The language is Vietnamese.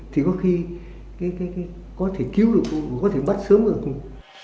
thì có khi có thể cứu được hùng có thể bắt sớm được hùng